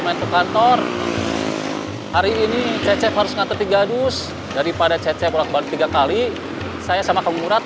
main ke kantor hari ini cecep harus ngantreti gadus daripada cecep tiga kali saya sama kang murad